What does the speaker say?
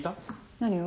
何を？